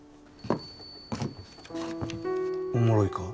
おもろいか？